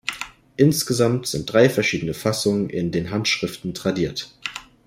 Insgesamt sind drei verschiedene Fassungen in den Handschriften tradiert.